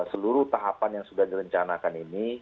seluruh tahapan yang sudah direncanakan ini